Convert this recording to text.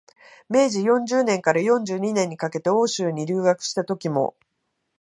明治四十年から四十二年にかけて欧州に留学したときも、